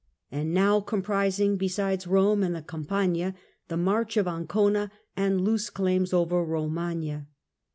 and now comprising besides Kome and the Campagna, the March of Ancona and loose claims over Komagna.